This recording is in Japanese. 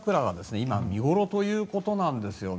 今、見頃ということなんですよね。